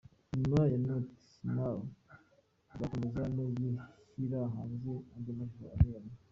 Nyuma ya Not now nzakomeza no gushyira hanze andi mashusho anyuranye.